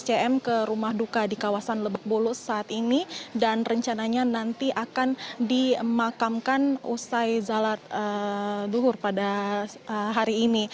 cm ke rumah duka di kawasan lebak bulus saat ini dan rencananya nanti akan dimakamkan usai zalat luhur pada hari ini